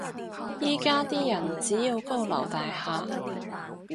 依家啲人只要高樓大廈